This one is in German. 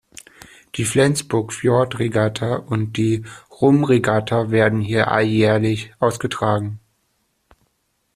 Die Flensburg-Fjord-Regatta und die Rum-Regatta werden hier alljährlich ausgetragen.